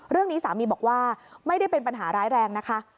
เรื่องนี้สามีบอกว่าไม่ได้เป็นปัญหาร้ายแรงนะคะ